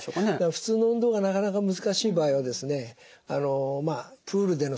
普通の運動がなかなか難しい場合はですね